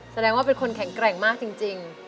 แสดงว่าเป็นคนแข็งแกร่งมากจริง